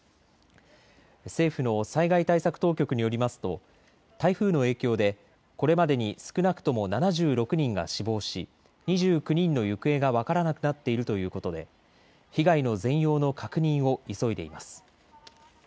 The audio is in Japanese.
政府の災害対策当局によりますと台風の影響でこれまでに少なくとも７６人が死亡し２９人の行方が分からなくなっているということで被害の全容の確認を急いでいます。